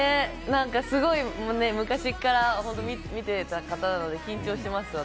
すごい、昔から見てた方なので緊張します。